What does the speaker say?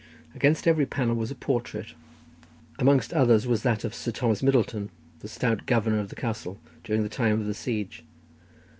Against every panel was a portrait; amongst others was that of Sir Thomas Middleton, the stout governor of the castle during the time of the siege.